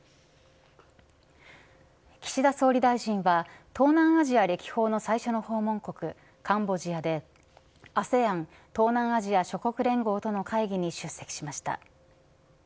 岸田総理大臣は東南アジア歴訪の最初の訪問国カンボジアでＡＳＥＡＮ東南アジア諸国連合との会議に出席しました。